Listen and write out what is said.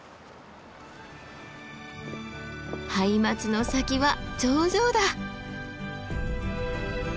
ハイマツの先は頂上だ！